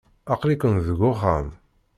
Aql-iken deg uxxam.